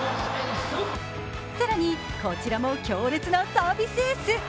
更に、こちらも強烈なサービスエース。